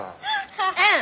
うん。